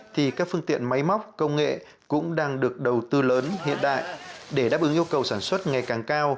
thì các phương tiện máy móc công nghệ cũng đang được đầu tư lớn hiện đại để đáp ứng yêu cầu sản xuất ngày càng cao